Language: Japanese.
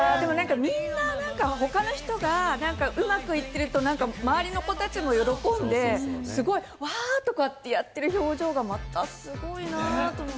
みんな他の人がうまくいっていると、周りの子たちも喜んで、すごい、ワッとなっている表情がまたすごいなと思って。